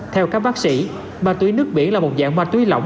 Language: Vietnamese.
theo các bác sĩ ma túy nước biển là một dạng ma túy lỏng